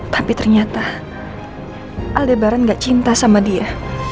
tapi ternyata al debaran gak cinta sama dia